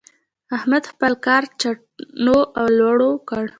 احمد خپل کار چټو او لړو کړ.